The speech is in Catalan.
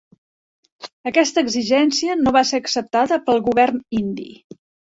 Aquesta exigència no va ser acceptada pel govern indi.